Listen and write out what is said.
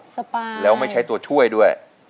สบายแล้วไม่ใช้ตัวช่วยด้วย